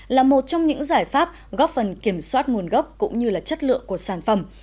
là một trong những giải pháp góp phần kiểm soát nguồn gốc cũng như chất lượng của sản phẩm